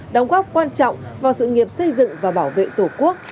đóng góp quan trọng vào sự nghiệp xây dựng và bảo vệ tổ quốc